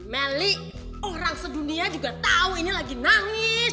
melly orang sedunia juga tahu ini lagi nangis